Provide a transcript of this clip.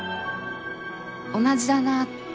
同じだなって。